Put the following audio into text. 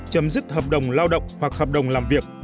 chấm dứt hợp đồng lao động hoặc hợp đồng làm việc